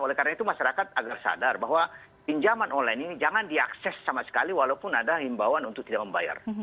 oleh karena itu masyarakat agar sadar bahwa pinjaman online ini jangan diakses sama sekali walaupun ada himbauan untuk tidak membayar